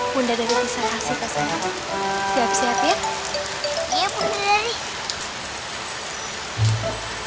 bunda dari bisa kasih kasih